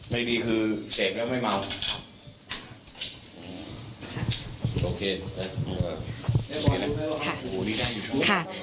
ไม่ดีคือเสบแล้วก็ไม่เมา